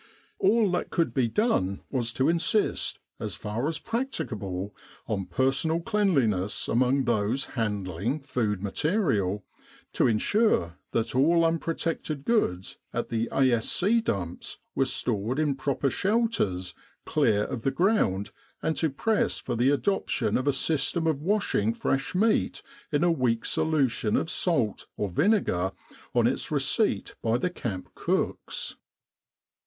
All that could be done was to insist, as far as practicable, on personal cleanliness among those handling food material, to ensure that all unprotected goods at the A.S.C. dumps were stored in proper shelters clear of the ground, and to press for the adoption of a system of washing fresh meat in a weak solution of salt or vinegar on its receipt by the camp cooks.